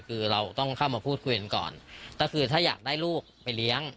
คือเราต้องเข้ามาพูดคุยกันก่อนก็คือถ้าอยากได้ลูกไปเลี้ยง